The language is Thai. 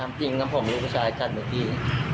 ทำจริงนะผมรูปผู้ชายกัดเหมือนพี่